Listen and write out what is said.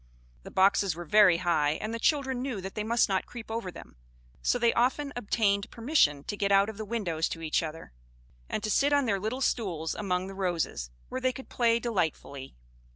The boxes were very high, and the children knew that they must not creep over them; so they often obtained permission to get out of the windows to each other, and to sit on their little stools among the roses, where they could play delightfully.